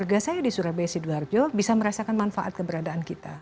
sehingga kemudian keluarga saya di surabaya sidoarjo bisa merasakan manfaat keberadaan kita